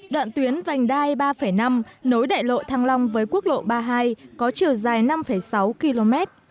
đoạn tuyến vành đai ba năm nối đại lộ thăng long với quốc lộ ba mươi hai có chiều dài năm sáu km